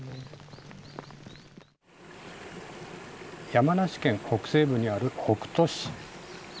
山梨県北西部にある北杜市。